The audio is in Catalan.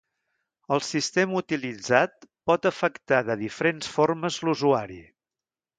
El sistema utilitzat pot afectar de diferents formes l'usuari.